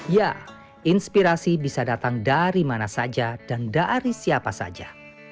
ya inspirasi bisa datang dari mana saja dan dari siapa saja